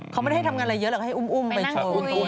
เขาไม่ได้ให้ทำงานอะไรเยอะหรอกให้อุ้มไปโชว์